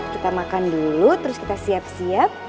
kita makan dulu terus kita siap siap